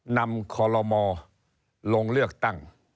นำคอลโลมลงเลือกตั้ง